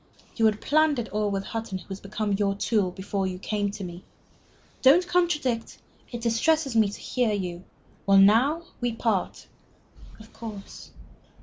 You had planned it all with Hutton, who has become your tool, before you came to me. Don't contradict. It distresses me to hear you. Well, now we part." "Of course.